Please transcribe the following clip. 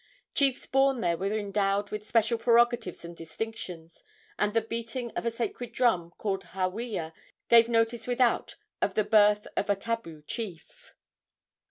Chiefs born there were endowed with especial prerogatives and distinctions, and the beating of a sacred drum called hawea gave notice without of the birth of a tabu chief.